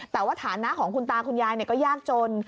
แต่ว่าฐานะของคุณตาคุณยายก็ยากจน